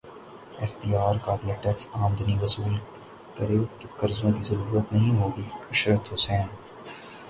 F B R قابل tax امدنی وصول کرے تو قرضوں کی ضرورت نہیں ہوگی عشرت حسین